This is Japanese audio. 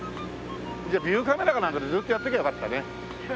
じゃあビューカメラかなんかでずっとやっときゃよかったね。